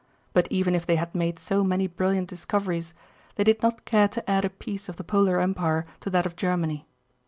But even if they had made so many brilliant discoveries they did not care to add a piece of the polar empire to that of Germany.